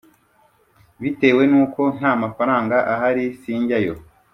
Bitewe n uko nta mafaranga ahari sinjyayo